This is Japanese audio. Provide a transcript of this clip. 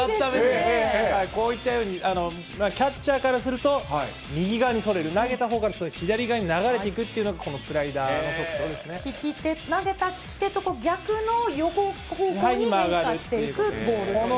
こういったように、キャッチャーからすると、右側にそれる、投げたほうからすると左側に流れていくというのが、このスライダ利き手、投げた利き手と逆の横方向に変化していくボールということですね。